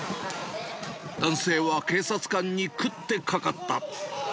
男性は警察官に食ってかかった。